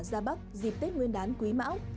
ra bắc dịp tết nguyên đán quý mão